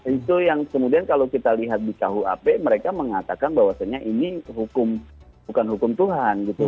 itu yang kemudian kalau kita lihat di kuap mereka mengatakan bahwasannya ini hukum bukan hukum tuhan gitu